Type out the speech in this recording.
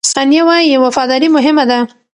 ثانیه وايي، وفاداري مهمه ده.